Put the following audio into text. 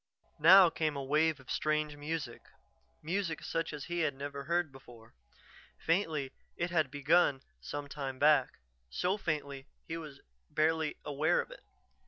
Now came a wave of strange music, music such as he had never heard before. Faintly it had begun some time back, so faintly he was barely aware of it.